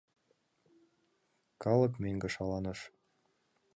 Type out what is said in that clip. Калык мӧҥгӧ шаланыш.